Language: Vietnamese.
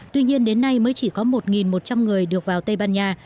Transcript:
tuy nhiên đến nay mới chỉ có một một trăm linh người được vào tây ban nha